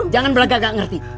jangan bela gagak ngerti